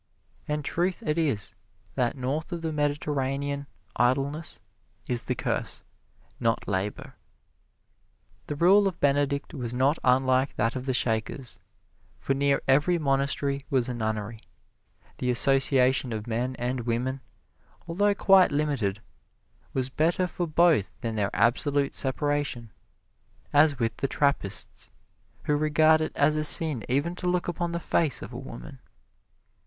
And truth it is, that north of the Mediterranean idleness is the curse, not labor. The rule of Benedict was not unlike that of the Shakers, for near every monastery was a nunnery. The association of men and women, although quite limited, was better for both than their absolute separation, as with the Trappists, who regard it as a sin even to look upon the face of a woman.